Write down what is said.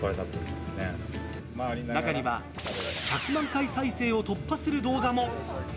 中には１００万回再生突破する動画も。